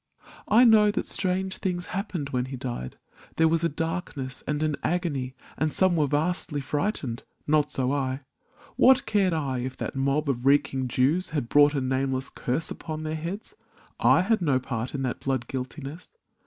I know that strange things happened when he died — There was a darkness and an agony. And some were vastly frightened — not so I! What cared I if that mob of reeking Jews Had brought a nameless curse upon their heads ? I had no part in that blood guiltiness.